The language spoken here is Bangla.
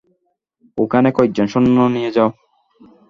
ওখানে কয়েকজন সৈন্য নিয়ে যাও।